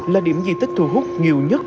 là điểm di tích thu hút nhiều nhất